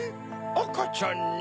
あかちゃんに？